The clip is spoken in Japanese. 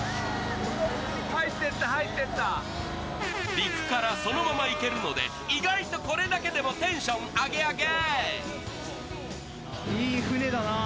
陸からそのまま行けるので意外とこれだけでもテンションアゲアゲ！